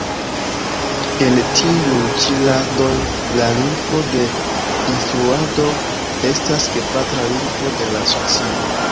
En tiuj ĉi landoj, la lingvo de instruado estas gepatra lingvo de la socio.